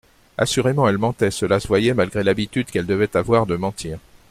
Assurément elle mentait, cela se voyait, malgré l'habitude qu'elle devait avoir de mentir.